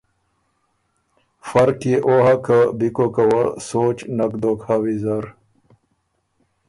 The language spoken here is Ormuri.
فرق يې او هۀ که بی کوکه وه سوچ نک دوک هۀ ویزر